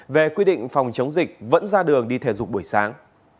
về quy định phòng chống dịch vẫn ra đường đi thể dục buổi sáng